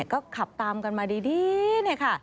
ก็ขับตามกันมาดีค่ะ